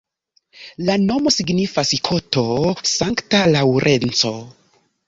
La nomo signifas koto-Sankta Laŭrenco.